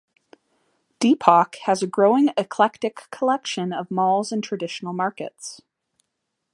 Depok has a growing eclectic collection of malls and traditional markets.